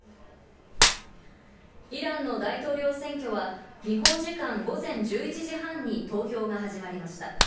イランの大統領選挙は日本時間午前１１時半に投票が始まりました。